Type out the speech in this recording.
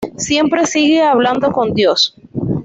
Siempre sigue hablando con Dios.